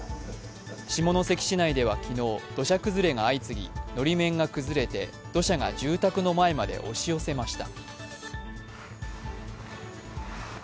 下関市内では昨日、土砂崩れが相次ぎ、のり面が崩れて土砂が住宅の前まで押し寄せました。